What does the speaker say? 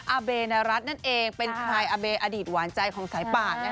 อาเบนรัฐนั่นเองเป็นชายอาเบอดีตหวานใจของสายปาก